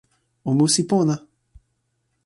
o musi pona!